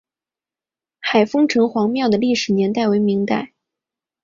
海丰城隍庙的历史年代为明代。